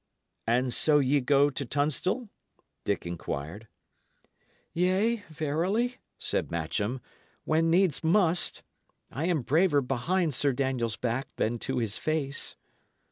"And so ye go to Tunstall?" Dick inquired. "Yea, verily," said Matcham, "when needs must! I am braver behind Sir Daniel's back than to his face."